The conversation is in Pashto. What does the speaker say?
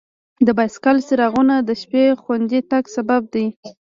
د بایسکل څراغونه د شپې خوندي تګ سبب دي.